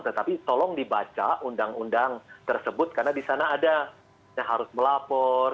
tetapi tolong dibaca undang undang tersebut karena di sana ada yang harus melapor